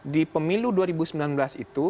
di pemilu dua ribu sembilan belas itu